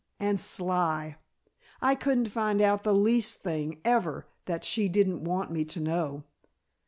And sly! I couldn't find out the least thing, ever, that she didn't want me to know."